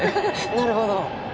なるほど。